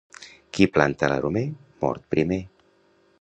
Qui planta l'aromer, mort primer.